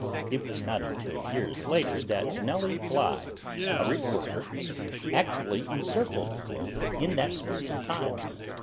It was not until years later that Nellie Bly, a reporter, actually encircled the globe in that space of time.